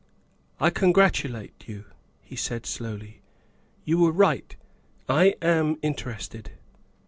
" I congratulate you," he said slowly. " You were right, I am interested."